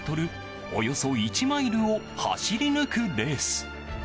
およそ１マイルを走り抜くレース。